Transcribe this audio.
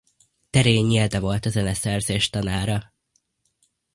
Terényi Ede volt a zeneszerzés tanára.